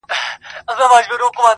مرګ له خدایه په زاریو ځانته غواړي٫